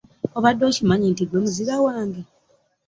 Obadde okimanyi nti ggwe muzira wange?